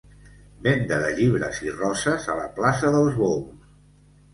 Venda de llibres i roses a la plaça dels Bous.